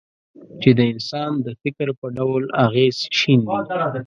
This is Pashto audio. چې د انسان د فکر په ډول اغېز شیندي.